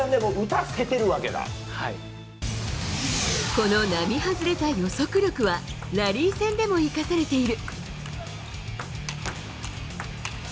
この並外れた予測力はラリー戦でも生かされている。